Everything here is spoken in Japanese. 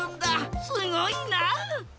すごいな！